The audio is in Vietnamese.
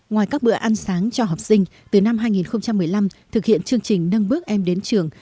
ngoài các bữa ăn sáng cho học sinh từ năm hai nghìn một mươi năm thực hiện chương trình nâng bước em đến trường